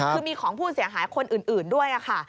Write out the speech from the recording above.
คือมีของผู้เสียหายคนอื่นด้วยค่ะ